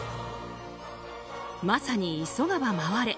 まさに急がば回れ。